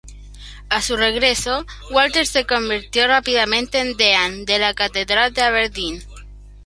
A su regreso, Walter se convirtió rápidamente en deán de la catedral de Aberdeen.